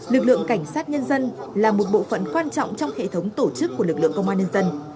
lực lượng cảnh sát nhân dân là một bộ phận quan trọng trong hệ thống tổ chức của lực lượng công an nhân dân